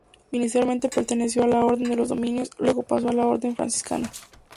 Inicialmente perteneció a la orden de los dominicos, luego pasó a la orden franciscana.